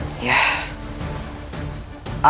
kau harus menghabisinya